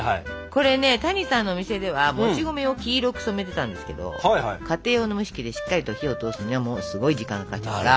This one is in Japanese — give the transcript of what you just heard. これね谷さんのお店ではもち米を黄色く染めてたんですけど家庭用の蒸し器でしっかりと火を通すにはすごい時間がかかっちゃうから。